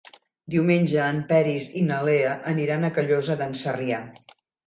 Diumenge en Peris i na Lea aniran a Callosa d'en Sarrià.